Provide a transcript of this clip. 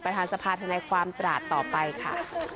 ประธานสภาษณ์ในความตราดต่อไปค่ะ